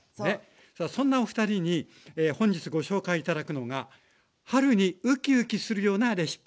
さあそんなおふたりに本日ご紹介頂くのが春にウキウキするようなレシピ。